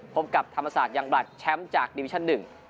พบกับธรรมศาสตร์ยังบลัดแชมป์จากดิวิชั่น๑